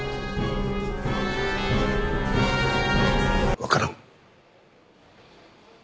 わからん。